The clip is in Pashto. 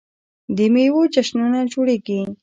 د میوو جشنونه جوړیږي.